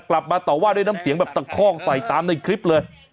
ต่อว่าด้วยน้ำเสียงแบบตะคอกใส่ตามในคลิปเลย